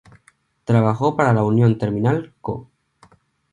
Trabajó para la Union Terminal Co.